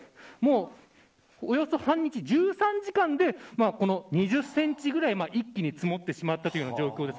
およそ半日、１３時間で２０センチぐらい一気に積もってしまった状況です。